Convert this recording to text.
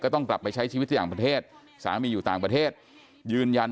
ต้องกลับไปใช้ชีวิตที่ต่างประเทศสามีอยู่ต่างประเทศยืนยัน